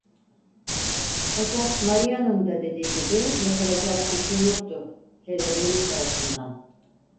Fakat, Maria'nın da dediği gibi, yapılacak bir şey yoktu; hele benim tarafımdan.